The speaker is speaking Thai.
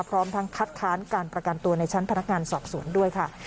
พร้อมทั้งคัดค้านการประกันตัวในชั้นพนักงานสอบสวนด้วยค่ะ